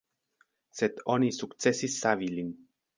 Sed oni sukcesis savi lin.